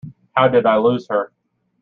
How did I lose her?